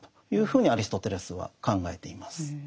ふうにアリストテレスは考えています。